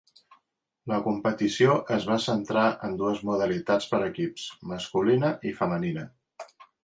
La competició es va centrar en dues modalitats per equips, masculina i femenina.